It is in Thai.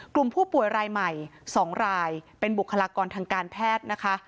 กลุ่มผู้ป่วยรายใหม่๒รายเป็นบุคลากรทางการแพทย์นะคะ